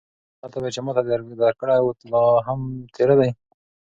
هغه تبر چې ما تاته درکړی و، لا هم تېره دی؟